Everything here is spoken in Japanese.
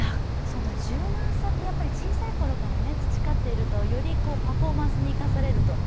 柔軟さって、小さいころから培っていると、よりパフォーマンスに生かされると。